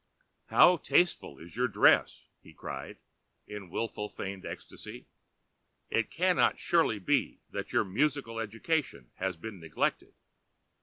"How tasteful is your Dress," he cried, in well feigned Ecstacy; "it cannot surely be that your Musical Education has been neglected?